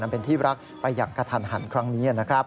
เป็นที่รักไปอย่างกระทันหันครั้งนี้นะครับ